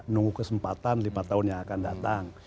nunggu kesempatan lima tahun yang akan datang